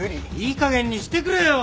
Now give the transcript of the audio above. いいかげんにしてくれよ！